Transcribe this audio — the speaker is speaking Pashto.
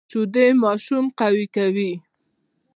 شیدې ماشوم قوي کوي